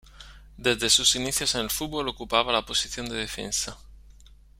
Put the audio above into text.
Desde sus inicios en el fútbol ocupaba la posición de defensa.